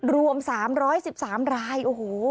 รวม๓๑๓รายโอ้โห